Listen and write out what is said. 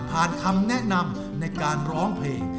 คำแนะนำในการร้องเพลง